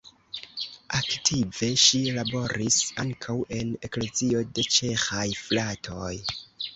Aktive ŝi laboris ankaŭ en Eklezio de Ĉeĥaj Fratoj.